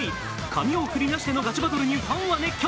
髪を振り乱してのガチバトルにファンは熱狂。